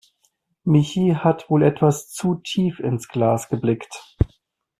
Michi hat wohl etwas zu tief ins Glas geblickt.